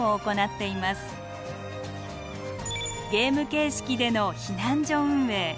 ゲーム形式での避難所運営。